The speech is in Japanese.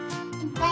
はい。